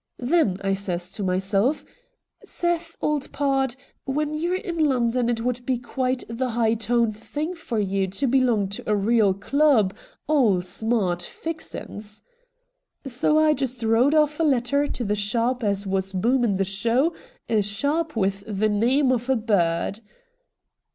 Then I says to myself, " Seth, old pard, when you're in London it would be quite the high toned thing for you to belong to a real club, all smart fixin's." So I just wrote off a letter to the sharp as was booming the show, a sharp with the name of a bird.'